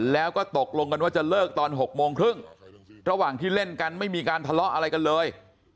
แล้วก็ตกลงกันว่าจะเลิกตอน๖โมงครึ่งระหว่างที่เล่นกันไม่มีการทะเลาะอะไรกันเลย